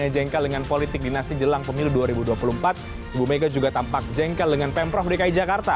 jelang pemilu dua ribu dua puluh empat bumega juga tampak jengkel dengan pemprov dki jakarta